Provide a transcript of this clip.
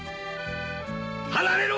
離れろ！